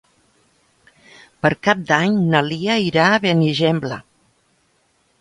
Per Cap d'Any na Lia irà a Benigembla.